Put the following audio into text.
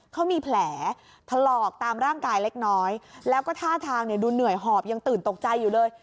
เขามีแผลถลอกตามร่างกายเล็กน้อยแล้วก็ท่าทางเนี่ยดูเหนื่อยหอบยังตื่นตกใจอยู่เลย